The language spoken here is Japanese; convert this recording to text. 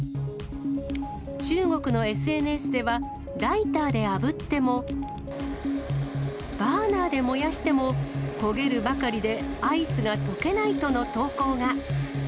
中国のＳＮＳでは、ライターであぶっても、バーナーで燃やしても、焦げるばかりでアイスが溶けないとの投稿が。